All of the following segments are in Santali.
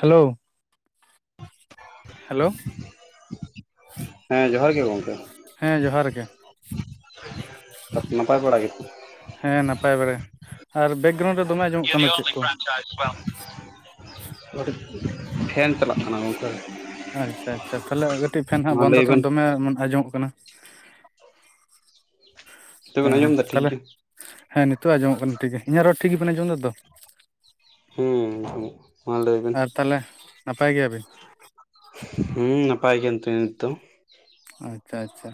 ᱦᱮᱞᱳ᱾ ᱦᱮᱞᱳ᱾ ᱦᱮᱸ ᱡᱚᱦᱟᱨ ᱜᱮ ᱜᱚᱢᱠᱮ ᱾ ᱦᱮᱸ ᱡᱚᱦᱟᱨ ᱜᱮ ᱾ ᱛᱟᱯᱚᱨᱮ ᱱᱟᱯᱟᱭ ᱵᱟᱲᱟ ᱜᱮᱛᱚ? ᱦᱮᱸ ᱱᱟᱯᱟᱭ ᱵᱟᱲᱟ ᱾ ᱟᱨ ᱵᱮᱠᱜᱨᱟᱣᱩᱱᱰ ᱨᱮ ᱫᱚᱢᱮ ᱟᱸᱡᱚᱢᱚᱜ ᱠᱟᱱ ᱫᱚ ᱪᱮᱫ ᱠᱚ? [unintelligible] ᱠᱟᱹᱴᱤᱡ ᱯᱷᱮᱱ ᱪᱟᱞᱟᱜ ᱠᱟᱱᱟ ᱜᱚᱢᱠᱮ᱾ ᱟᱪᱪᱷᱟ ᱟᱪᱪᱷᱟ ᱛᱟᱦᱚᱞᱮ ᱠᱟᱹᱴᱤᱡ ᱯᱷᱮᱱ ᱦᱟᱸᱜ ᱢᱟ ᱵᱚᱱᱫᱚ ᱞᱟᱹᱭ ᱦᱟᱛᱟᱲ ᱵᱮᱱ ᱮᱢ ᱫᱚᱢᱮ ᱟᱸᱡᱚᱢᱚᱜ ᱠᱟᱱᱟ ᱾ ᱱᱤᱛᱚᱜ ᱵᱮᱱ ᱦᱮᱸ ᱟᱸᱡᱚᱢ ᱮᱫᱟ ᱴᱷᱤᱠ ᱛᱟᱦᱞᱮ ᱜᱮᱭᱟ ᱦᱮᱸ ᱱᱤᱛᱚᱜ ᱟᱸᱡᱚᱢᱚᱜ ᱠᱟᱱᱟ, ᱴᱷᱤᱠᱜᱮ ᱤᱧᱟᱹᱜ ᱨᱚᱲ ᱴᱷᱤᱠ ᱜᱮᱵᱤᱱ ᱟᱸᱡᱚᱢ ᱫᱟᱛᱚ? ᱦᱩᱸᱻ ᱟᱸᱡᱚᱜ ᱟᱨ ᱛᱟᱦᱞᱮ ᱱᱟᱯᱟᱭ ᱜᱮᱭᱟᱵᱤᱱ? ᱦᱩᱸ ᱱᱟᱯᱟᱭ ᱜᱮ ᱮᱱᱛᱮ ᱱᱤᱛ ᱫᱚ ᱾ ᱟᱪᱪᱷᱟ ᱟᱪᱪᱷᱟ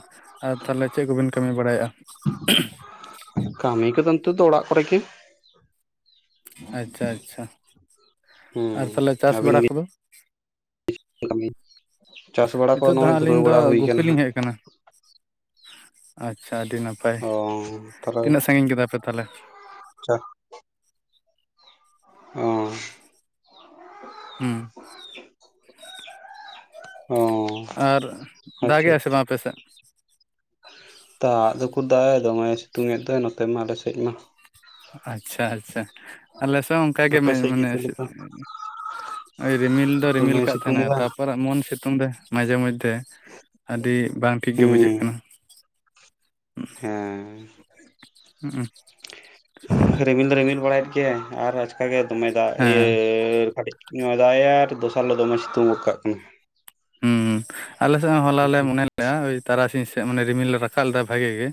ᱟᱨ ᱛᱟᱦᱞᱮ ᱪᱮᱫ ᱠᱚᱵᱤᱱ ᱠᱟᱹᱢᱤ ᱵᱟᱲᱟᱭᱮᱜᱼᱟ? ᱠᱟᱹᱢᱤ ᱠᱚ ᱫᱚ ᱱᱤᱛᱚᱜ ᱫᱚ ᱚᱲᱟᱜ ᱠᱚᱨᱮᱜᱮ ᱾ ᱟᱪᱪᱷᱟ ᱟᱪᱪᱷᱟ ᱟᱨ ᱦᱩᱸ ᱛᱟᱦᱚᱞᱮ ᱟᱹᱵᱤᱱ ᱜᱮ? [inaudible] ᱠᱟᱹᱢᱤ ᱪᱟᱥ ᱵᱟᱲᱟ ᱠᱚ ᱱᱤᱛᱚᱜ ᱫᱚ ᱱᱚᱜᱼᱚᱭ ᱦᱟᱸᱜ ᱫᱷᱩᱨᱟᱹᱣ ᱟᱹᱞᱤᱧ ᱫᱚ ᱵᱟᱲᱟ ᱦᱩᱭ ᱜᱩᱯᱤ ᱠᱟᱱᱟ ᱞᱤᱧ ᱦᱟᱸᱜ ᱦᱮᱡ ᱾ ᱟᱠᱟᱱᱟ ᱟᱪᱪᱷᱟ ᱟᱹᱰᱤ ᱱᱟᱯᱟᱭ ᱚ ᱾ ᱛᱟᱦᱚᱞᱮ ᱛᱤᱱᱟᱹᱜ ᱥᱟᱺᱜᱤᱧ ᱠᱮᱫᱟ ᱯᱮ ᱛᱟᱦᱞᱮ? [unintelligible] ᱚ᱾ ᱦᱩᱸ᱾ ᱚ᱾ ᱟᱨ ᱟᱪᱪᱷᱟ ᱫᱟᱜᱮᱼᱟᱭ ᱥᱮ ᱵᱟᱝ ᱟᱯᱮ ᱥᱮᱫ? ᱫᱟᱜ ᱫᱚ ᱩᱠᱩᱨ ᱫᱟᱭ ᱫᱚᱢᱮ ᱥᱤᱛᱩᱝᱮᱫ ᱫᱚᱭ ᱱᱚᱛᱮ ᱢᱟ ᱟᱞᱮᱥᱮᱫ ᱢᱟ ᱾ ᱟᱪᱪᱷᱟ ᱟᱪᱪᱷᱟ ᱟᱞᱮᱥᱮᱜ ᱦᱚᱸ ᱚᱝᱠᱟᱜᱮ ᱟᱯᱮ ᱥᱮᱫ ᱜᱮ ᱢᱟᱱᱮ ᱪᱮᱫ ᱞᱮᱠᱟ ᱳᱭ ᱨᱤᱢᱤᱞ ᱫᱚ ᱨᱤᱢᱤᱞ ᱫᱚᱢᱮ ᱠᱟᱜ ᱥᱤᱛᱩᱝ ᱛᱟᱦᱮᱸᱱᱟᱭ ᱮᱫᱟ ᱛᱟᱯᱚᱨᱮ ᱮᱢᱚᱱ ᱥᱮ ᱛᱩᱝ ᱫᱟᱭ ᱢᱟᱡᱷᱮ ᱢᱚᱫᱫᱷᱮ ᱟᱹᱰᱤ ᱵᱟᱝ ᱴᱷᱤᱠ ᱜᱮ ᱵᱩᱡᱷᱟᱹᱜ ᱦᱮᱸ ᱠᱟᱱᱟ ᱾ [unintelligible] ᱦᱮᱸᱻ [inaudible] ᱨᱤᱢᱤᱞ ᱫᱚ ᱨᱤᱢᱤᱞ ᱵᱟᱲᱟᱭᱮᱫ ᱜᱮᱭᱟᱭ ᱟᱨ ᱟᱪᱠᱟᱜᱮ ᱫᱚᱢᱮ ᱫᱟᱜ ᱤᱭᱟᱹᱻ ᱦᱮᱸ ᱠᱟᱹᱴᱤᱡ ᱫᱚᱢᱮ ᱫᱟᱜ ᱮᱟᱭ ᱟᱨ ᱫᱚᱥᱟᱨ ᱦᱤᱞᱚᱜ ᱫᱚᱢᱮ ᱥᱤᱛᱩᱝ ᱜᱚᱜ ᱠᱟᱜ ᱠᱟᱱᱟᱭ ᱾ ᱦᱩᱸ ᱟᱞᱮ ᱥᱮᱫ ᱦᱚᱸ ᱦᱚᱞᱟ ᱞᱮ ᱢᱚᱱᱮ ᱞᱮᱫ-ᱟ ᱳᱭ ᱛᱟᱨᱟᱥᱤᱧ ᱥᱮᱫ ᱢᱟᱱᱮ ᱨᱤᱢᱤᱞ ᱞᱮ ᱨᱟᱠᱟᱵ ᱞᱮᱫᱟᱭ ᱵᱷᱟᱜᱮ ᱜᱮ,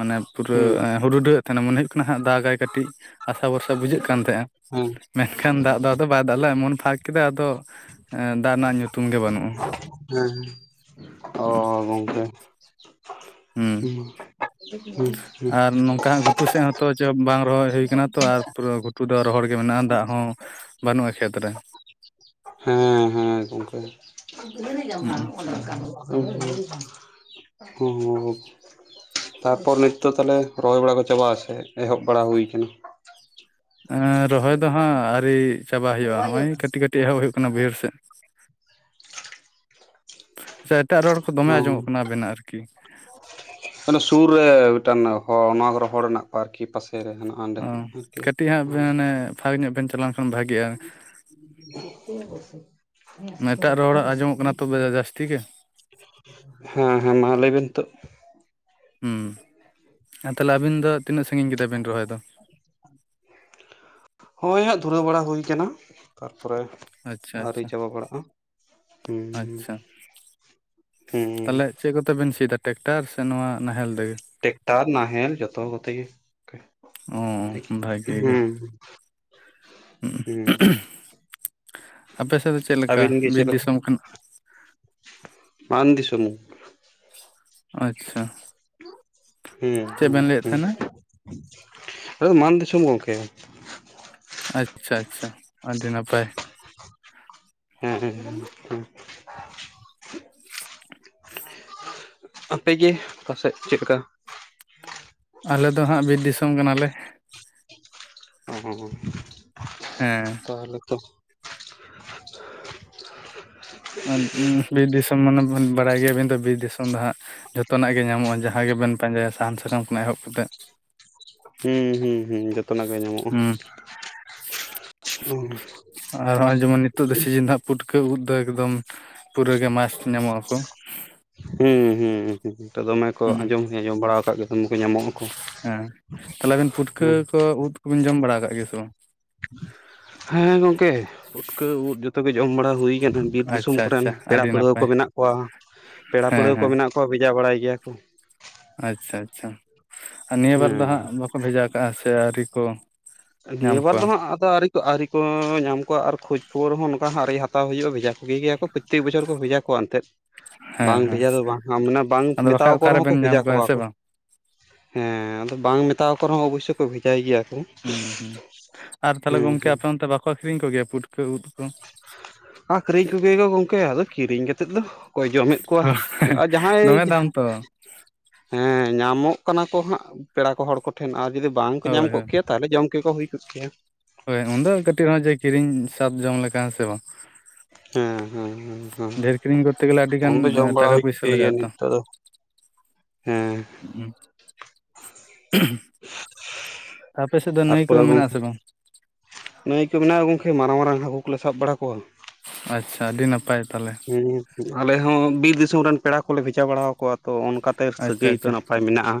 ᱢᱟᱱᱮ ᱯᱩᱨᱟᱹ ᱦᱩᱸ ᱦᱩᱰ-ᱦᱩᱰᱟᱹᱣ ᱛᱟᱦᱮᱱ ᱢᱚᱱᱮ ᱦᱩᱭᱩᱜ ᱠᱟᱱᱟ ᱦᱟᱸᱜ ᱫᱟᱜᱟᱭ ᱠᱟᱹᱴᱤᱡ ᱟᱥᱟ ᱵᱷᱚᱨᱥᱟ ᱵᱩᱡᱷᱟᱹᱜ ᱠᱟᱱ ᱛᱟᱦᱮᱸᱜ-ᱟ, ᱦᱮᱸ ᱢᱮᱱᱠᱷᱟᱱ ᱫᱟᱜ ᱟᱫᱚ ᱵᱟᱭ ᱫᱟᱜ ᱞᱮᱜ-ᱟ ᱮᱢᱚᱱ ᱯᱷᱟᱸᱠ ᱠᱮᱫᱟᱭ ᱟᱫᱚ ᱫᱟᱜ ᱨᱮᱱᱟᱜ ᱧᱩᱛᱩᱢ ᱜᱮ ᱵᱟᱹᱱᱩᱜ-ᱟ ᱾ ᱦᱮᱸᱻ ᱚᱻ ᱦᱩᱸ ᱜᱚᱢᱠᱮ, ᱦᱩᱸ ᱟᱨ ᱱᱚᱝᱠᱟ ᱦᱚᱸ ᱜᱷᱩᱴᱩ ᱥᱮᱫ ᱦᱚᱸ ᱛᱚ ᱪᱚ ᱵᱟᱝ ᱨᱚᱦᱚᱭ ᱦᱩᱭ ᱟᱠᱟᱱᱟ ᱛᱚ ᱟᱨ ᱯᱩᱨᱟᱹ ᱜᱷᱴᱩ ᱫᱚ ᱨᱚᱦᱚᱲ ᱜᱮ ᱢᱮᱱᱟᱜ-ᱟ ᱫᱟᱜ ᱦᱚᱸ ᱵᱟᱹᱱᱩᱜ-ᱟ ᱠᱷᱮᱛ ᱨᱮ ᱾ ᱦᱮᱸ ᱦᱮᱸ ᱜᱚᱢᱠᱮ, ᱦᱩᱸ [unintelligible] ᱛᱟᱨᱯᱚᱨ ᱱᱤᱛ ᱫᱚ ᱛᱟᱦᱞᱮ ᱨᱚᱦᱚᱭ ᱵᱟᱲᱟ ᱠᱚ ᱪᱟᱵᱟ ᱥᱮ ᱮᱦᱚᱵ ᱵᱟᱲᱟ ᱦᱩᱭ ᱠᱟᱱᱟ? ᱮᱸ ᱨᱚᱦᱚᱭ ᱫᱚ ᱦᱟᱸᱜ ᱟᱹᱣᱨᱤ ᱪᱟᱵᱟ ᱦᱩᱭᱩᱜ-ᱟ, ᱦᱚᱸᱜ-ᱚᱭ ᱠᱟᱹᱴᱤᱡ ᱠᱟᱹᱴᱤᱡ ᱮᱦᱚᱵ ᱦᱩᱭᱩᱜ ᱠᱟᱱᱟ ᱵᱟᱹᱭᱦᱟᱹᱲ ᱥᱮᱫ᱾ ᱥᱮ ᱮᱴᱟᱜ ᱨᱚᱲ ᱠᱚ ᱫᱚᱢᱮ ᱚ ᱟᱸᱡᱚᱢᱚᱜ ᱠᱟᱱᱟ ᱟᱵᱤᱱᱟᱜ ᱟᱨᱠᱤ᱾ ᱥᱩᱨ ᱨᱮ ᱢᱤᱫᱴᱟᱱ ᱦᱚᱲ ᱱᱚᱣᱟ ᱠᱚᱨᱮ ᱦᱚᱲ ᱦᱮᱱᱟᱜ ᱠᱚᱣᱟ ᱟᱨᱠᱤ ᱯᱟᱥᱮ ᱥᱮᱨᱮ ᱦᱮᱱᱟᱜ-ᱟ ᱚᱸᱰᱮᱟᱸᱜ ᱟᱨᱠᱤ ᱱᱚᱰᱮ ᱯᱷᱟᱹᱠ ᱧᱚᱜ ᱵᱮᱱ ᱪᱟᱞᱟᱣ ᱞᱮᱱ ᱠᱷᱟᱱ ᱵᱷᱟᱜᱤᱜ-ᱟ᱾ [unintelligible] ᱮᱴᱟᱜ ᱨᱚᱲ ᱟᱸᱡᱚᱢᱚᱜ ᱠᱟᱱᱟ ᱛᱚᱵᱮ ᱡᱟᱹᱥᱛᱤ ᱜᱮ, [unintelligible] ᱦᱮᱸ ᱦᱮᱸ, ᱢᱟ ᱞᱟᱹᱭ ᱵᱤᱱ ᱱᱤᱛᱚᱜ? ᱦᱩᱸ, ᱟᱨ ᱛᱟᱦᱞᱮ ᱟᱵᱤᱱ ᱫᱚ ᱛᱤᱱᱟᱹᱜ ᱥᱟᱺᱜᱤᱧ ᱠᱮᱫᱟ ᱵᱤᱱ ᱨᱚᱦᱚᱭ ᱫᱚ? ᱦᱳᱭ ᱦᱟᱸᱜ ᱫᱷᱩᱨᱟᱹᱣ ᱵᱟᱲᱟ ᱦᱩᱭ ᱠᱟᱱᱟ, ᱛᱟᱨᱯᱚᱨᱮ ᱟᱪᱪᱷᱟ ᱟᱹᱣᱨᱤ ᱟᱪᱪᱷᱟ ᱪᱟᱵᱟ ᱵᱟᱲᱟᱜ-ᱟ᱾ ᱟᱪᱪᱷᱟ᱾ ᱦᱩᱸ ᱛᱟᱦᱞᱮ ᱪᱮᱫ ᱠᱚᱛᱮ ᱵᱤᱱ ᱥᱤᱭᱫᱟ ᱴᱨᱮᱠᱴᱟᱨ ᱥᱮ ᱱᱚᱣᱟ ᱱᱟᱦᱮᱞ ᱛᱮᱜᱮ? ᱴᱮᱠᱴᱟᱨ ᱱᱟᱦᱮᱞ ᱡᱚᱛᱚ ᱠᱚᱛᱮ ᱜᱮ ᱾ ᱚ ᱵᱷᱟᱜᱮ ᱜᱮ᱾ ᱦᱩᱸ ᱟᱯᱮ ᱥᱮᱫ ᱫᱚ ᱪᱮᱫ ᱞᱮᱠᱟ, ᱟᱹᱵᱤᱱ ᱜᱮ ᱵᱤᱨ ᱪᱮᱫ ᱞᱮᱠᱟ ᱫᱤᱥᱚᱢ ᱠᱟᱱᱟ? ᱢᱟᱱ ᱫᱤᱥᱚᱢ ᱾ ᱟᱪᱪᱷᱟ ᱦᱩᱸ ᱪᱮᱫ ᱦᱩᱸ ᱵᱮᱱ ᱞᱟᱹᱭᱮᱫ ᱦᱩᱸ ᱛᱟᱦᱮᱱᱟ? ᱾ ᱟᱫᱚ ᱢᱟᱱ ᱫᱤᱥᱚᱢ ᱜᱚᱝᱠᱮ ᱾ ᱟᱪᱪᱷᱟ ᱟᱪᱪᱷᱟ, ᱟᱰᱤ ᱱᱟᱯᱟᱭ ᱾ [inaudible] ᱟᱯᱮ ᱜᱮ ᱯᱟᱥᱮᱫ ᱪᱮᱫ ᱠᱟ? ᱟᱞᱮ ᱫᱚ ᱦᱟᱸᱜ ᱵᱤᱨ ᱫᱤᱥᱚᱢ ᱠᱟᱱᱟᱞᱮ ᱾ ᱚᱸ ᱦᱮᱸ, ᱛᱟᱦᱚᱞᱮ ᱛᱚ ᱾ ᱟᱸ ᱵᱤᱨ ᱫᱤᱥᱚᱢ ᱢᱟᱱᱮ ᱵᱮᱱ ᱵᱟᱲᱟᱭ ᱜᱮᱭᱟ ᱵᱮᱱ ᱛᱚ ᱵᱤᱨ ᱫᱤᱥᱚᱢ ᱫᱚ ᱦᱟᱸᱜ ᱡᱷᱚᱛᱚ ᱱᱟᱜ ᱜᱮ ᱧᱟᱢᱚᱜ-ᱟ, ᱡᱟᱦᱟᱸ ᱜᱮ ᱵᱮᱱ ᱯᱟᱸᱡᱟᱭᱟ ᱥᱟᱦᱟᱱ ᱥᱟᱠᱟᱢ ᱠᱷᱚᱱᱟᱜ ᱮᱦᱚᱵ ᱠᱟᱛᱮᱫ ᱦᱩᱸ ᱦᱩᱸ ᱦᱩᱸ ᱡᱚᱛᱚ ᱱᱟᱜ ᱜᱮ ᱧᱟᱢᱚᱜ-ᱟ ᱦᱩᱸ ᱾ ᱟᱨ ᱱᱚᱜ-ᱚᱭ ᱡᱮᱢᱚᱱ ᱱᱤᱛᱚᱜ ᱫᱚ ᱥᱤᱡᱤᱱ ᱫᱚ ᱦᱟᱸᱜ ᱯᱩᱴᱠᱟᱹ ᱩᱫᱽ ᱫᱚ ᱮᱠᱫᱚᱢ ᱯᱩᱨᱟᱹ ᱜᱮ ᱢᱟᱥᱴ ᱧᱟᱢᱚᱜ ᱟᱠᱚ᱾ ᱦᱩᱸ ᱦᱩᱸ ᱦᱩᱸ ᱱᱤᱛᱚᱜ ᱫᱚᱢᱮ ᱠᱚ ᱦᱩᱸ ᱟᱸᱡᱚᱢ ᱦᱚᱸᱧ ᱟᱸᱡᱚᱢ ᱵᱟᱲᱟᱣ ᱠᱟᱫ ᱜᱮᱭᱟ ᱫᱚᱢᱮ ᱠᱚ ᱧᱟᱢᱚᱜᱼᱟ ᱠᱚ ᱦᱮᱸ᱾ ᱛᱟᱦᱞᱮ ᱟᱵᱮᱱ ᱯᱩᱴᱠᱟᱹ ᱠᱚ ᱩᱫᱽ ᱠᱚᱵᱤᱱ ᱡᱚᱢ ᱵᱟᱲᱟᱣ ᱠᱟᱫ ᱜᱮᱭᱟ ᱥᱮ ᱵᱟᱝ? ᱦᱮᱸ ᱜᱚᱝᱠᱮ, ᱯᱷᱩᱴᱠᱟᱹ ᱩᱫᱽ ᱡᱚᱛᱚ ᱜᱮ ᱡᱚᱢ ᱵᱟᱲᱟ ᱦᱩᱭ ᱠᱟᱱᱟ᱾ ᱵᱤᱨ ᱫᱤᱥᱚᱢ ᱟᱪᱪᱷᱟ ᱠᱚᱨᱮᱱ ᱟᱪᱪᱷᱟ ᱯᱮᱲᱟ ᱟᱹᱰᱤ ᱯᱟᱹᱲᱣᱟᱹ ᱠᱚ ᱱᱟᱯᱟᱭ ᱢᱮᱱᱟᱜ ᱠᱚᱣᱟ, ᱯᱮᱲᱟ ᱦᱮᱸ ᱯᱟᱹᱲᱦᱟᱹ ᱠᱚ ᱦᱮᱸ ᱢᱮᱱᱟᱜ ᱠᱚᱣᱟ ᱵᱷᱮᱡᱟ ᱵᱟᱲᱟᱭ ᱜᱮᱭᱟ ᱠᱚ ᱟᱪᱪᱷᱟ ᱟᱪᱷᱟ᱾ ᱟᱨ ᱱᱤᱭᱟᱹ ᱵᱟᱨ ᱫᱚ ᱦᱮᱸ ᱦᱟᱸᱜ ᱵᱟᱠᱚ ᱵᱷᱮᱡᱟ ᱠᱟᱜᱼᱟ ᱥᱮ ᱟᱹᱣᱨᱤ ᱠᱚ ᱧᱟᱢ ᱱᱤᱭᱟᱹ ᱵᱟᱨ ᱫᱚ ᱠᱚᱣᱟ ᱦᱟᱸᱜ ᱫᱚ ᱟᱹᱣᱨᱤ ᱠᱚ ᱟᱹᱣᱨᱤ ᱠᱚ ᱧᱟᱢ ᱠᱚᱣᱟ ᱟᱨ ᱠᱷᱳᱡᱽ ᱠᱷᱚᱵᱚᱨ ᱦᱚᱸ ᱱᱚᱝᱠᱟ ᱦᱟᱸᱜ ᱟᱹᱣᱨᱤ ᱦᱟᱛᱟᱣ ᱦᱩᱭᱩᱜᱼᱟ ᱵᱷᱮᱡᱟ ᱠᱚᱜᱮ ᱜᱮᱭᱟ ᱠᱚ ᱯᱟᱨᱛᱮᱠ ᱵᱚᱪᱷᱚᱨ ᱠᱚ ᱵᱷᱮᱡᱟ ᱠᱚᱣᱟ ᱮᱱᱛᱮᱜ ᱦᱮᱸ ᱵᱟᱝ ᱦᱮᱸ ᱵᱷᱮᱡᱟ ᱫᱚ ᱵᱟᱝ ᱦᱟᱸᱜ ᱢᱟᱱᱮ ᱵᱟᱝ ᱟᱫᱚ ᱢᱮᱛᱟᱣ ᱵᱟᱠᱷᱟᱡ ᱠᱚ ᱨᱮᱦᱚᱸ ᱠᱚ ᱚᱠᱟᱨᱮᱵᱮᱱ ᱵᱷᱮᱡᱟ ᱧᱟᱢ ᱦᱮᱸ ᱠᱚᱣᱟ ᱥᱮ ᱠᱚ ᱵᱟᱝ ᱦᱮᱸ ᱟᱫᱚ ᱵᱟᱝ ᱢᱮᱛᱟᱣ ᱠᱚ ᱨᱮᱦᱚᱸ ᱚᱵᱳᱥᱥᱚ ᱠᱚ ᱵᱷᱮᱡᱟᱭ ᱜᱮᱭᱟ ᱠᱚ ᱦᱩᱸ ᱦᱩᱸ᱾ ᱟᱨ ᱛᱟᱦᱞᱮ ᱦᱮᱸ ᱜᱚᱝᱠᱮ ᱦᱮᱸ ᱟᱯᱮ ᱚᱱᱛᱮ ᱵᱟᱠᱚ ᱟᱹᱠᱷᱨᱤᱧ ᱠᱚ ᱜᱮᱭᱟ ᱯᱩᱴᱠᱟᱹ ᱩᱫᱽ ᱠᱚ? ᱟᱹᱠᱷᱨᱤᱧ ᱠᱚᱜᱮᱭᱟᱠᱚ ᱜᱚᱝᱠᱮ ᱟᱫᱚ ᱠᱤᱨᱤᱧ ᱠᱟᱛᱮᱫ ᱫᱚ ᱚᱠᱚᱭ ᱡᱚᱢᱮᱫ ᱠᱚᱣᱟᱭ᱾ ᱟᱨ ᱡᱟᱦᱟᱸᱭ ᱫᱚᱢᱮ ᱡᱟᱸᱦᱟ ᱫᱟᱢ ᱛᱚ ᱦᱮᱸ, ᱧᱟᱢᱚᱜ ᱠᱟᱱᱟ ᱠᱚ ᱦᱟᱸᱜ ᱯᱮᱲᱟ ᱠᱚ ᱦᱚᱲ ᱠᱚᱴᱷᱮᱱ ᱟᱨ ᱡᱩᱫᱤ ᱵᱟᱝᱠᱚ ᱧᱟᱢ ᱦᱳᱭ ᱠᱚᱜ ᱦᱳᱭ ᱠᱮᱭᱟ ᱛᱟᱦᱞᱮ ᱡᱚᱢ ᱠᱮᱠᱚ ᱦᱩᱭ ᱠᱚᱜ ᱠᱮᱭᱟ᱾ ᱦᱳᱭ ᱩᱱᱫᱚ ᱠᱟᱹᱴᱤᱡ ᱨᱮᱦᱚᱸ ᱡᱮ ᱠᱤᱨᱤᱧ ᱥᱟᱫᱷ ᱡᱚᱢ ᱞᱮᱠᱟ ᱥᱮ ᱵᱟᱝ ᱦᱮᱸ ᱦᱮᱸ ᱦᱮᱸ ᱦᱮᱸ ᱰᱷᱮᱨ ᱠᱤᱨᱤᱧ ᱠᱚᱛᱮ ᱜᱮᱞᱮ ᱟᱹᱰᱤ ᱩᱱ ᱜᱟᱱ ᱫᱚ ᱡᱚᱢ ᱵᱟᱲᱟ ᱴᱟᱠᱟ ᱦᱩᱭ ᱠᱚᱜ ᱯᱩᱭᱥᱟᱹ ᱜᱮᱭᱟ ᱞᱟᱜᱟᱜᱼᱟ ᱛᱚ? ᱱᱤᱛᱚᱜ ᱫᱚ ᱦᱮᱸ ᱦᱩᱸ [unintelligible] [inaudible] ᱟᱯᱮ ᱥᱮᱫ ᱫᱚ ᱱᱟᱹᱭ ᱠᱚ ᱛᱟᱨᱯᱚᱨᱮ ᱜᱚᱝᱠᱮ ᱢᱮᱱᱟᱜᱼᱟ ᱥᱮ ᱵᱟᱝ? ᱱᱟᱹᱭ ᱠᱚ ᱢᱮᱱᱟᱜᱼᱟ ᱜᱚᱝᱠᱮ ᱢᱟᱨᱟᱝ ᱢᱟᱨᱟᱝ ᱦᱟᱹᱠᱩ ᱠᱚᱞᱮ ᱥᱟᱵ ᱵᱟᱲᱟ ᱠᱚᱣᱟ᱾ ᱟᱪᱪᱷᱟ ᱟᱹᱰᱤ ᱱᱟᱯᱟᱭ ᱛᱟᱦᱞᱮ ᱦᱮᱸ ᱟᱞᱮ ᱦᱚᱸ ᱵᱤᱨ ᱫᱤᱥᱚᱢ ᱨᱮᱱ ᱯᱮᱲᱟ ᱠᱚᱞᱮ ᱵᱷᱮᱡᱟ ᱵᱟᱲᱟᱣ ᱠᱚᱣᱟ ᱛᱚ ᱚᱱᱠᱟ ᱛᱮ ᱟᱪᱪᱷᱟ ᱥᱟᱹᱜᱟᱹᱭ ᱠᱚ ᱟᱪᱪᱷᱟ ᱱᱟᱯᱟᱭ ᱢᱮᱱᱟᱜᱼᱟ᱾